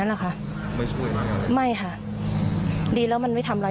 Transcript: นั้นหรอค่ะไม่ช่วยมากกว่าอะไรไม่ค่ะดีแล้วมันไม่ทำไร